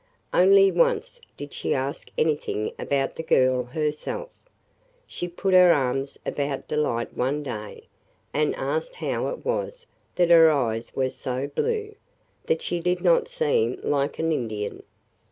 Only once did she ask anything about the girl herself. She put her arms about Delight one day and asked how it was that her eyes were so blue – that she did not seem like an Indian.